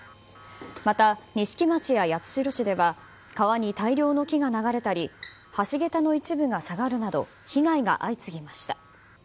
また、錦町や八代市では川に大量の木が流れたり、橋桁の一部が下がるなど、被害が相次ぎました。